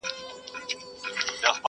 ما منلی پر ځان حکم د سنګسار دی,